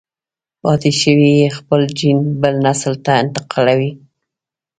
پاتې شوی يې خپل جېن بل نسل ته انتقالوي.